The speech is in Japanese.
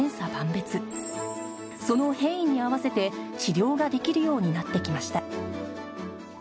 その変異に合わせて治療ができるようになってきました